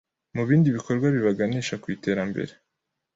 mu bindi bikorwa bibaganisha ku iterambere